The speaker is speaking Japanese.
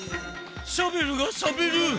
シャベルがしゃべる！